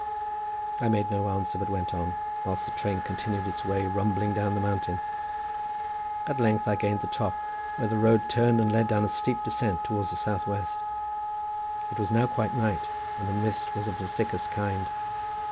I made no answer, but went on, whilst the train continued its way rumbling down the mountain. At length I gained the top, where the road turned and led down a steep descent towards the south west. It was now quite night, and the mist was of the thickest kind.